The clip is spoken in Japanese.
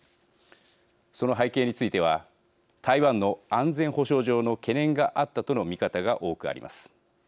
その背景については台湾の安全保障上の懸念があったとの見方が多くあります。